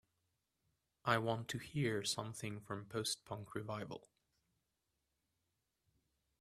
I want to hear something from Post-punk Revival